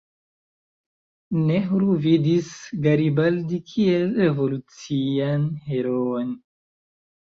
Nehru vidis Garibaldi kiel revolucian heroon.